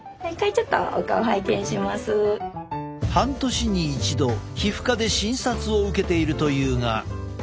ちょっと半年に一度皮膚科で診察を受けているというが。